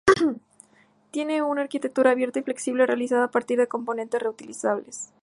Tiene una arquitectura abierta y flexible realizada a partir de componentes reutilizables.